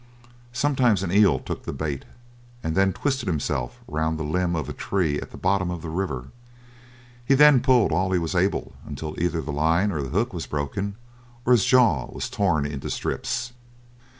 Sometimes an eel took the bait, and then twisted himself round the limb of a tree at the bottom of the river. He then pulled all he was able until either the line or the hook was broken, or his jaw was torn into strips.